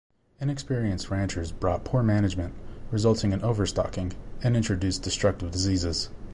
Inexperienced ranchers brought poor management, resulting in overstocking, and introduced destructive diseases.